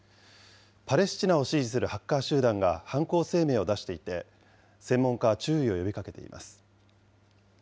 パレスチナを支持するハッカー集団が犯行声明を出していて、専門家は注意を呼びかけています。